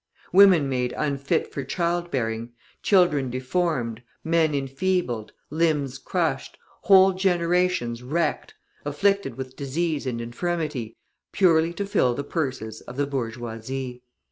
Women made unfit for childbearing, children deformed, men enfeebled, limbs crushed, whole generations wrecked, afflicted with disease and infirmity, purely to fill the purses of the bourgeoisie.